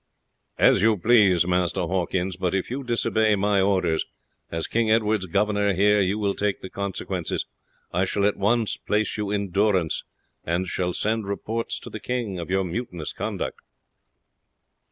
"As you please, Master Hawkins; but if you disobey my orders, as King Edward's governor here, you will take the consequences. I shall at once place you in durance, and shall send report to the king of your mutinous conduct."